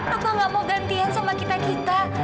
aku gak mau gantian sama kita kita